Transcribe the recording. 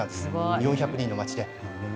４００人の町です。